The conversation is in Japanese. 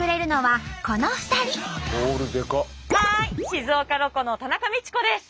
静岡ロコの田中道子です。